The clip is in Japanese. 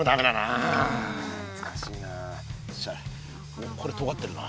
おっこれとがってるな。